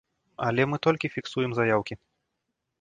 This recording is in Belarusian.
Але мы толькі фіксуем заяўкі.